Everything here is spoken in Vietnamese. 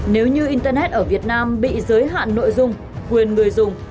nếu như internet ở việt nam bị giới hạn nội dung quyền người dùng